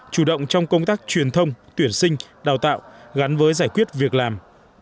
chủ động trong công tác truyền thông tuyển sinh đào tạo gắn với giải quyết việc làm